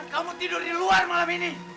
kamu tidur di luar malam ini